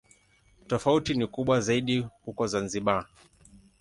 Tofauti ni kubwa zaidi huko Zanzibar.